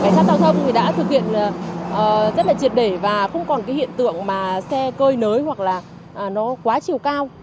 cảnh sát giao thông thì đã thực hiện rất là triệt để và không còn cái hiện tượng mà xe cơi nới hoặc là nó quá chiều cao